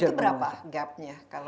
nah itu berapa gapnya